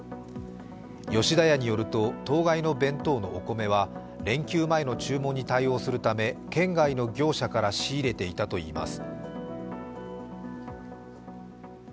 吉田屋によると当該の弁当のお米は連休前の注文に対応するため県外の業者から仕入れていたといいます。